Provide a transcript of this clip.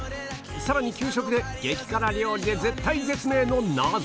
さらに給食で激辛料理で絶体絶命の謎